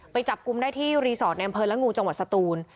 ไปจับกลุ่มได้ที่รีสอร์ทในอำเภอละงูจังหวัดสตูน